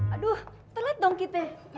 aduh telat dong kita